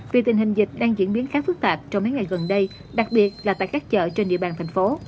vì tình hình dịch đang diễn biến khá phức tạp trong mấy ngày gần đây đặc biệt là tại các chợ trên địa bàn thành phố